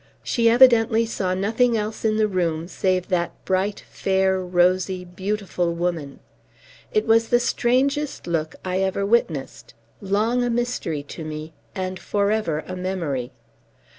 she evidently saw nothing else in the room save that bright, fair, rosy, beautiful woman. It was the strangest look I ever witnessed; long a mystery to me, and forever a memory.